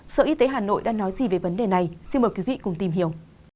sở y tế hà nội đã nói gì về vấn đề này xin mời quý vị cùng tìm hiểu